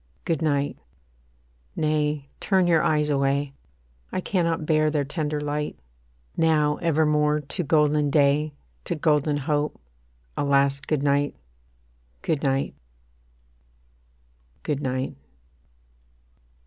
Good night nay, turn your eyes away; I cannot bear their tender light. Now evermore to golden day, To golden hope, a last Good night, Good night Good night.